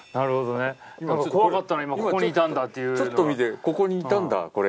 ちょっと見てここにいたんだこれ。